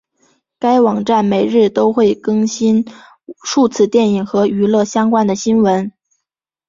该网站每日都会更新数次电影和娱乐相关的新闻。